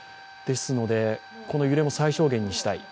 ですので、この揺れも最小限にしたい。